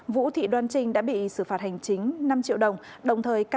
vũ thị đoan trinh đã bị xử phạt hành chính năm triệu đồng